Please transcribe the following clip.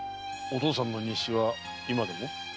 お父さんの日誌は今でも？